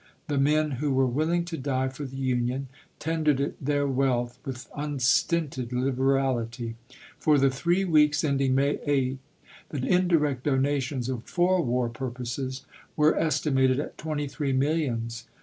The men who were willing to die for the Union, tendered it their wealth with unstinted liberality. For the New York three weeks ending May 8, the indirect donations Mays, 1861. for war purposes were estimated at twenty three millions.